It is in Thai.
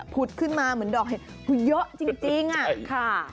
ขึ้นมาเหมือนดอกเห็ดเยอะจริงอะค่ะ